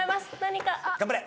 頑張れ。